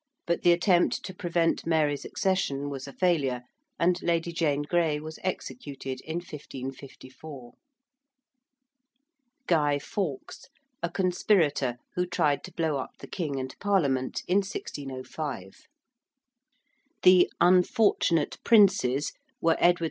but the attempt to prevent Mary's accession was a failure, and Lady Jane Grey was executed in 1554. ~Guy Fawkes~: a conspirator who tried to blow up the King and Parliament in 1605. ~The unfortunate princes~ were Edward V.